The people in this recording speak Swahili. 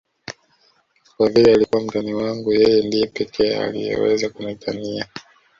Kwa vile alikuwa mtani wangu yeye ndiye pekee aliyeweza kunitania